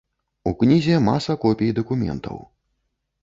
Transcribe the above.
У кнізе маса копій дакументаў.